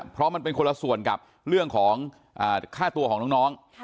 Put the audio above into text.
เพราะมันเป็นคนละส่วนกับเรื่องของค่าตัวของน้อง